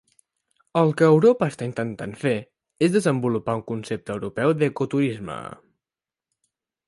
El que Europa està intentat fer és desenvolupar un concepte europeu d'ecoturisme.